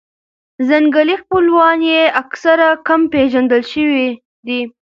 ځنګلي خپلوان یې اکثراً کم پېژندل شوي دي.